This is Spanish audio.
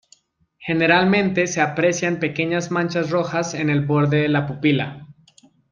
Generalmente se aprecian pequeñas manchas rojas en el borde de la pupila.